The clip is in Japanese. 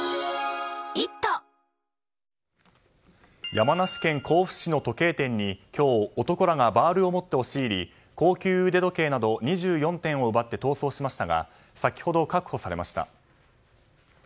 山梨県甲府市の時計店に今日、男らがバールを持って押し入り高級腕時計など２４点を奪って逃走しましたが先ほど確保されました。